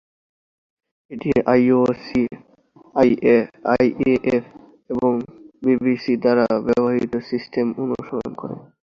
এটি IOC, IAAF এবং BBC দ্বারা ব্যবহৃত সিস্টেম অনুসরণ করে।